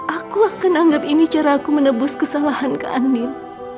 aku akan anggap ini cara aku menebus kesalahan ke andin